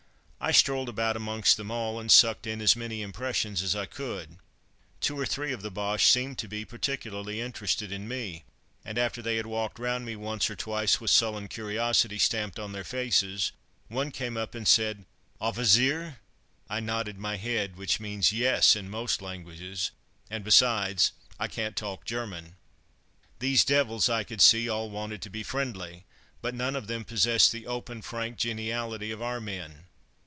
I strolled about amongst them all, and sucked in as many impressions as I could. Two or three of the Boches seemed to be particularly interested in me, and after they had walked round me once or twice with sullen curiosity stamped on their faces, one came up and said "Offizier?" I nodded my head, which means "Yes" in most languages, and, besides, I can't talk German. These devils, I could see, all wanted to be friendly; but none of them possessed the open, frank geniality of our men.